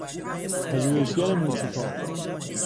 پژوهشگر موشکاف